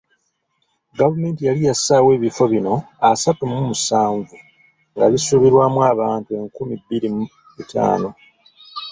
Gavumenti yali yassaawo ebifo bino asatu mu musanvu nga bisuubirwamu abantu enkumi bbiri mu bitaano.